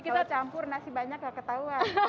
kalau campur nasi banyak gak ketahuan